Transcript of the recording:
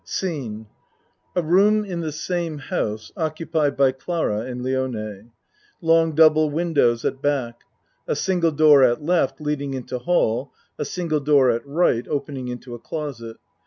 Scene A room in the same house, occupied by Clara and Lione. Long double windows at back. A single door at L. leading into hall. A single door at R. opening into a closet.